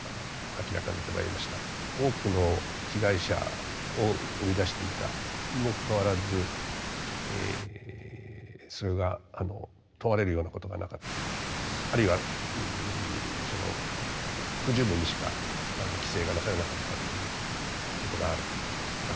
多くの被害者を生み出していたにもかかわらずそれが問われるようなことがなかったあるいは不十分にしか規制がなされなかったということがあるわけですね。